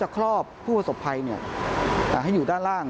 ครอบผู้ประสบภัยให้อยู่ด้านล่าง